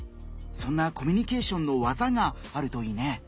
そんなコミュニケーションの技があるといいね。